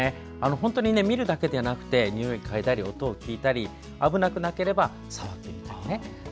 本当に見るだけでなくてにおいをかいだり音を聞いたり、危なくなければ触ってみたりね。